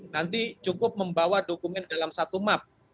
nanti cukup membawa dokumen dalam satu map